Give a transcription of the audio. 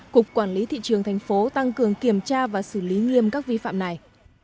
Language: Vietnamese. cục quản lý thị trường tp hcm tăng cường kiểm tra và xử lý nghiêm các vi phạm này